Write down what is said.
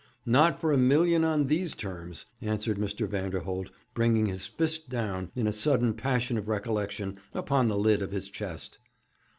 'Not for a million on these terms,' answered Mr. Vanderholt, bringing his fist down, in a sudden passion of recollection, upon the lid of his chest.